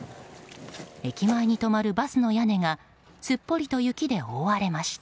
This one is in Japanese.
駅前に止まるバスの屋根がすっぽりと雪で覆われました。